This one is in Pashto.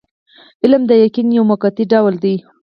علم د یقین یو موقتي ډول دی.